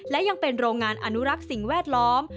และยังเป็นโรงงานอนุรักษ์สิ่งแวดล้อม